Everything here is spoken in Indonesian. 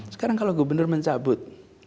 sekarang kalau gubernur mencabut